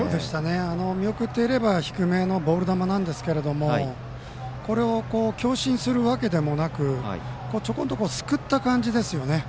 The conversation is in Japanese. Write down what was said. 見送っていれば低めのボール球なんですけどこれを強振するわけでもなくちょこんとすくった感じですよね。